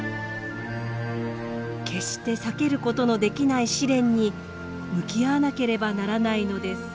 決して避けることのできない試練に向き合わなければならないのです。